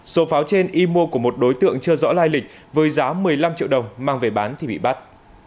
số pháo trên y mua của một đối tượng chưa rõ lai lịch với giá một mươi năm triệu đồng mang về bán thì bị bắt